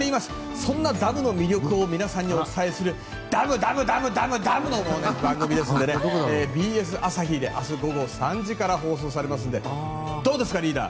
そんなダムの魅力を皆さんにお伝えするダム、ダム、ダム、ダムの番組ですのでＢＳ朝日で明日午後３時から放送されますのでどうですかリーダー！